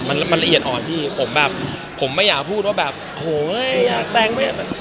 มันละเอียดอ่อนที่ผมแบบผมไม่อยากพูดว่าแบบโหยอยากแต่งไม่อยาก